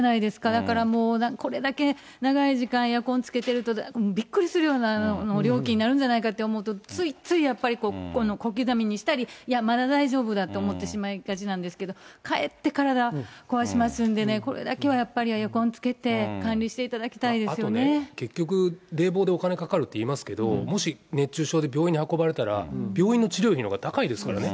だからもう、これだけ長い時間、エアコンつけてると、びっくりするような料金になるんじゃないかって思うと、ついついやっぱり、小刻みにしたり、いや、まだ大丈夫だと思ってしまいがちなんですけど、かえって体壊しますんでね、これだけはやっぱり、エアコンつけて、管理していただあとね、結局、冷房でお金かかるっていいますけど、もし熱中症で病院に運ばれたら、病院の治療費のほうが高いですからね。